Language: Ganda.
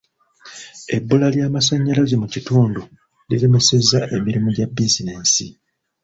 Ebbula ly'masannyalaze mu kitundu liremesezza emirimu gya bizinensi.